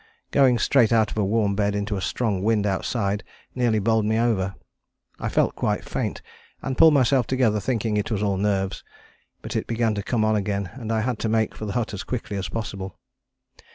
Going straight out of a warm bed into a strong wind outside nearly bowled me over. I felt quite faint, and pulled myself together thinking it was all nerves: but it began to come on again and I had to make for the hut as quickly as possible.